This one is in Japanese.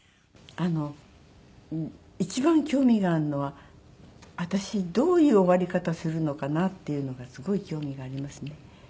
あの一番興味があるのは私どういう終わり方をするのかなっていうのがすごい興味がありますね。